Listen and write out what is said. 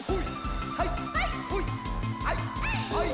はい！